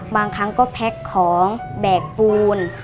บางครั้งก็แพ็คของแบกปูน